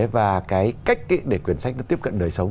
và cái cách để quyển sách nó tiếp cận đời sống